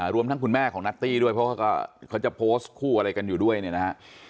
รวมทั้งคุณแม่ของนัตตี้ด้วยเพราะว่าเขาจะโพสต์คู่อะไรกันอยู่ด้วยเนี่ยนะฮะ